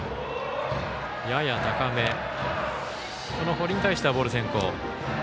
堀に対してはボール先行。